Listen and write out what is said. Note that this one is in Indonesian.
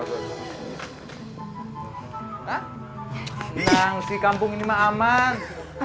senang sih kampung ini mah aman